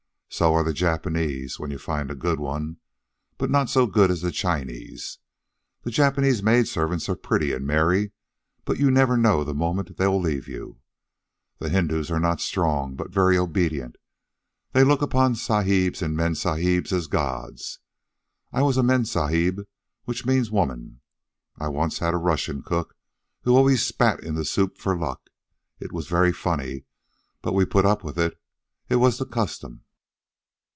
So are the Japanese, when you find a good one, but not so good as the Chinese. The Japanese maidservants are pretty and merry, but you never know the moment they'll leave you. The Hindoos are not strong, but very obedient. They look upon sahibs and memsahibs as gods! I was a memsahib which means woman. I once had a Russian cook who always spat in the soup for luck. It was very funny. But we put up with it. It was the custom."